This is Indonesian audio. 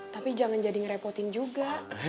tapi jangan jadi ngerepotin juga